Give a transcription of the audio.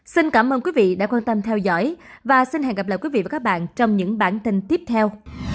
xin cảm ơn quý vị đã quan tâm theo dõi và xin hẹn gặp lại quý vị và các bạn trong những bản tin tiếp theo